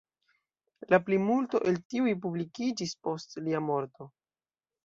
La plimulto el tiuj publikiĝis post lia morto.